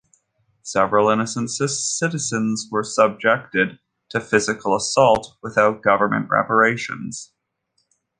Several innocent citizens were subjected to physical assault without government reparations.